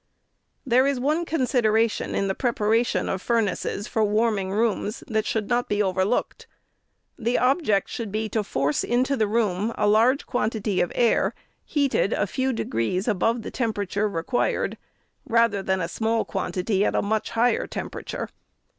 There is one consideration in the preparation of furnaces for warm APPENDIX. 5G7 ing rooms, that should not be overlooked. The object should be to force into the room a large quantity of air, heated a tew degrees above the temperature required, rather than a small quantity at a much higher temperature.